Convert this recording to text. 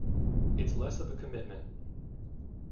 It's less of a commitment.